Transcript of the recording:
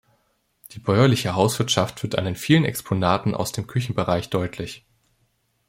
Die bäuerliche Hauswirtschaft wird an den vielen Exponaten aus dem Küchenbereich deutlich.